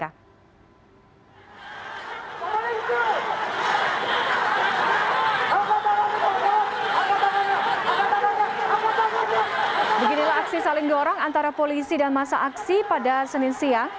beginilah aksi saling dorong antara polisi dan masa aksi pada senin siang